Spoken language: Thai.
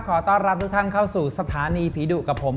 ขอต้อนรับทุกท่านเข้าสู่สถานีผีดุกับผม